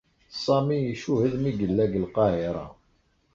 Sami icuhed mi yella deg Lqahira.